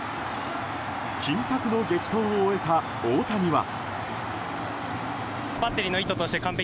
緊迫の激闘を終えた大谷は。